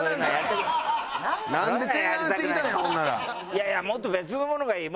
いやいやもっと別のものがいい。